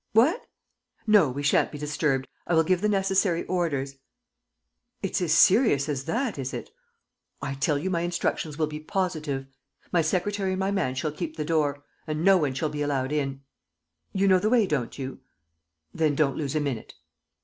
... What? No, we shan't be disturbed. ... I will give the necessary orders. ... It's as serious as that, is it? ... I tell you, my instructions will be positive. ... my secretary and my man shall keep the door; and no one shall be allowed in. ... You know the way, don't you? ... Then don't lose a minute."